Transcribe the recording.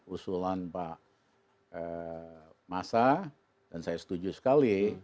usulan pak masa dan saya setuju sekali